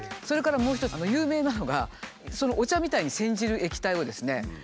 それからもう一つ有名なのがお茶みたいに煎じる液体をですね